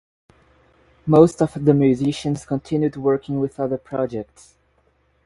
Most of the musicians continued working with other projects.